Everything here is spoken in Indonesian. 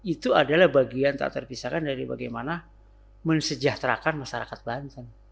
itu adalah bagian tak terpisahkan dari bagaimana mensejahterakan masyarakat banten